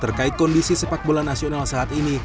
terkait kondisi sepak bola nasional saat ini